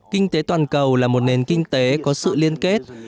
kinh tế toàn cầu là một nền kinh tế có sự liên kết